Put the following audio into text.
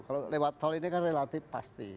kalau lewat tol ini kan relatif pasti